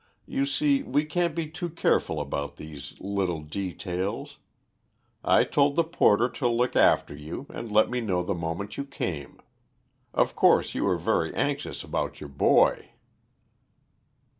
You see we can't be too careful about these little details. I told the porter to look after you and let me know the moment you came. Of course you are very anxious about your boy."